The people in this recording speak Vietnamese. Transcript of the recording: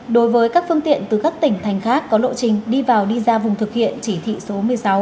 đối với các phương tiện từ các tỉnh thành khác có lộ trình đi vào đi ra vùng thực hiện chỉ thị số một mươi sáu